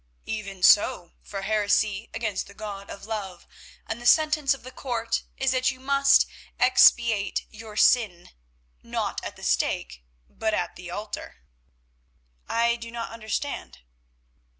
"Even so, for heresy against the god of love, and the sentence of the Court is that you must expiate your sin, not at the stake, but at the altar." "I do not understand."